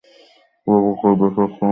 রবার্তোর ব্যাপারে শুনেছো?